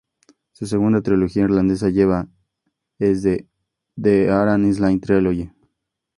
Su segunda trilogía irlandesa lleva es "The Aran Islands Trilogy".